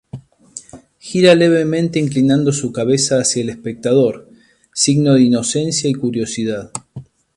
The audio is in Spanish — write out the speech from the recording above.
Gira levemente inclinando su cabeza hacia el espectador, signo de inocencia y curiosidad.